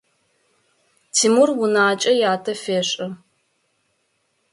Тимур унакӏэ ятэ фешӏы.